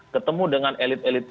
ketemu dengan elit elit